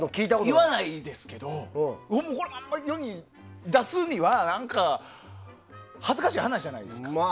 言わないですし、世に出すには何か恥ずかしい話じゃないですか。